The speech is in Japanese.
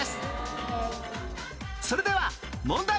それでは問題